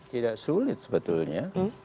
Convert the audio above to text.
tidak sulit sebetulnya